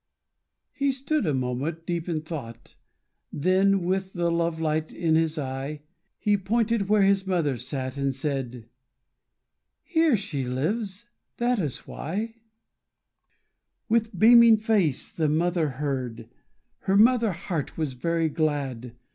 He stood a moment deep in thought, Then, with the love light in his eye, He pointed where his mother sat, And said: "Here she lives; that is why '" With beaming face the mother heard, Her mother heart was very glad.